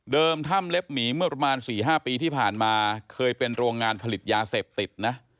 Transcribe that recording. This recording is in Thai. ถ้ำเล็บหมีเมื่อประมาณ๔๕ปีที่ผ่านมาเคยเป็นโรงงานผลิตยาเสพติดนะ